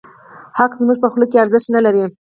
حق زموږ په خوله کې ارزښت نه لري.